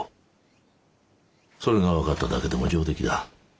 それが分かっただけでも上出来だ。